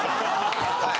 はい。